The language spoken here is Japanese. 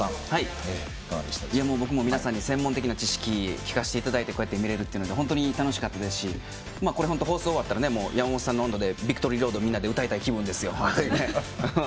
僕も皆さんに専門的な知識を聞かせていただいてこうやって見れるっていうの本当、楽しかったですし放送、終わったら、山本さんと「ビクトリーロード」をみんなで歌いたい気分ですよ。